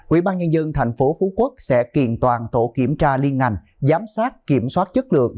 ủy ban nhân dân tp phú quốc sẽ kiền toàn tổ kiểm tra liên ngành giám sát kiểm soát chất lượng